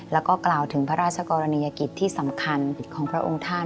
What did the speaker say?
แล้วก็กล่าวถึงพระราชกรณียกิจที่สำคัญของพระองค์ท่าน